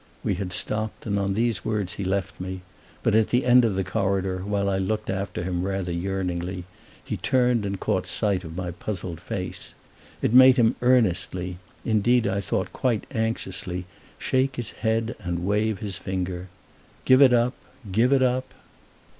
We had stopped, and on these words he left me; but at the end of the corridor, while I looked after him rather yearningly, he turned and caught sight of my puzzled face. It made him earnestly, indeed I thought quite anxiously, shake his head and wave his finger "Give it up—give it up!"